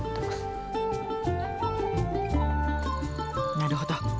なるほど。